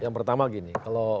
yang pertama gini